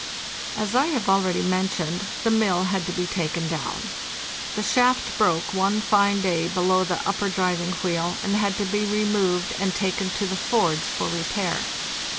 As I have already mentioned, the mill had to be taken down. The shaft broke one fine day below the upper driving wheel, and had to be removed and taken to the forge for repair.